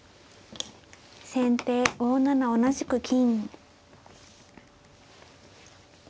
先手５七同じく金。